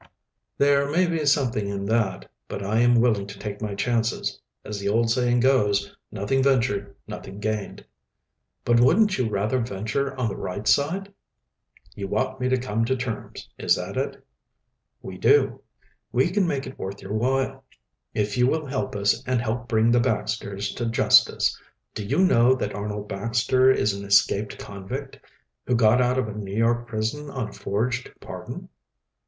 "There may be something in that. But I am willing to take my chances. As the old saying goes: 'Nothing ventured, nothing gained.'" "But wouldn't you rather venture on the right side?" "You want me to come to terms; is that it?" "We do. We can make it worth your while, if you will help us and help bring the Baxters to justice. Do you know that Arnold Baxter is an escaped convict, who got out of a New York prison on a forged pardon?"